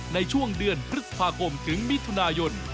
ในช่วงเดือนพฤษภาคมถึงมิถุนายน